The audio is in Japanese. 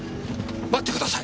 待ってください！